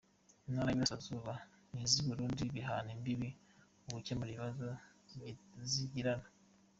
Intara y’Iburasirazuba n’iz’i Burundi bihana imbibi mu gukemura ibibazo zigirana